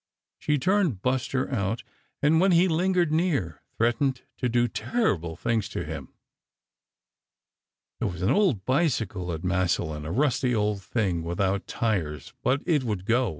She turned Buster out, and when he "lingered near," threatened to do terrible things to him. There was an old bicycle at Massillon, a rusty old thing without tires, but it would go.